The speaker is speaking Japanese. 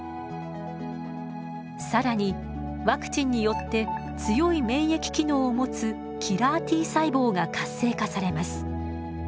更にワクチンによって強い免疫機能を持つキラーＴ細胞が活性化されます。